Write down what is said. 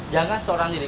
jangan seorang diri